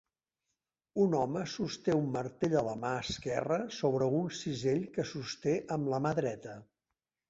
Un home sosté un martell a la mà esquerra sobre un cisell que sosté amb la mà dreta